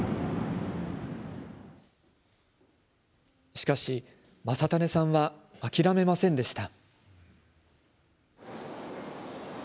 しかし、将胤さんは諦めませんでした。